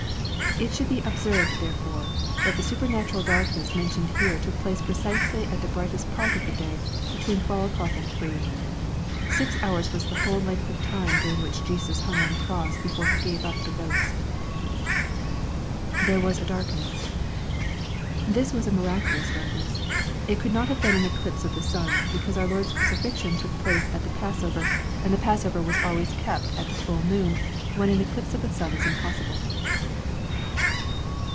It should be observed, therefore, that the supernatural darkness mentioned here took place precisely at the brightest part of the day, between twelve o'clock and three. Six hours was the whole length of time during which Jesus hung on the cross before He gave up the ghost. [There was a darhaess.] This was a aiiraculous darkness. It could not have been an eclipse of the sun, because our Lord's cru cifixion took place at the passover, and the pa»^ver wa» LUKE, CHAP. XXIII. 483 always kept at the full moot wL^jn an eclipse of the sun is impos sible.